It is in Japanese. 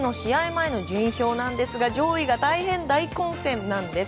前の順位表なんですが上位が大変、大混戦なんです。